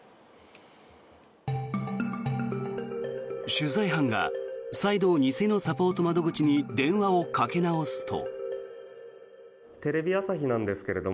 取材班が再度、偽のサポート窓口に電話をかけ直すと。